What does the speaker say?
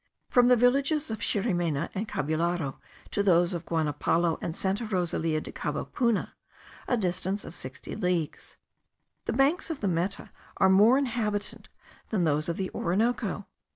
From the villages of Xiramena and Cabullaro to those of Guanapalo and Santa Rosalia de Cabapuna, a distance of sixty leagues, the banks of the Meta are more inhabited than those of the Orinoco.